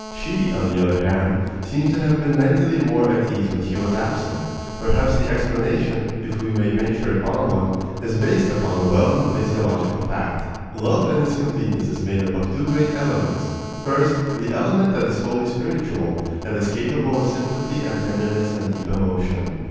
She, on the other hand, seems to have been mentally more at ease when he was absent. Perhaps the explanation, if we may venture upon one, is based upon a well known physiological fact. Love in its completeness is made up of two great elements first, the element that is wholly spiritual, that is capable of sympathy, and tenderness, and deep emotion.